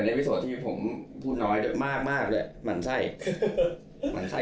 เป็นอิปโศตรที่ผมพูดน้อยมากด้วยหมั่นไส้